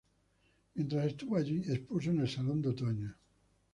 Mientras estuvo allí, expuso en el Salón de Otoño.